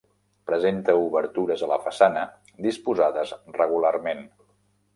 Presenta obertures a la façana disposades regularment.